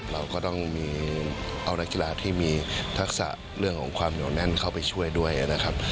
เราก็ต้องมีเอานักกีฬาที่มีทักษะเรื่องของความเหนียวแน่นเข้าไปช่วยด้วยนะครับ